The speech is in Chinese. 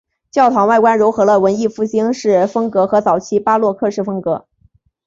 教堂外观揉合了文艺复兴式风格和早期巴洛克式风格。